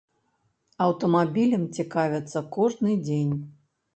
Аўтамабілем цікавяцца кожны дзень.